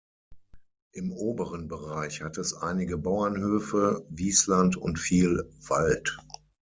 Im oberen Bereich hat es einige Bauernhöfe, Wiesland und viel Wald.